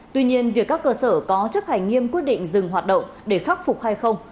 tuy nhiên việc các cơ sở có chấp hành nghiêm quyết định dừng hoạt động để khắc phục hay không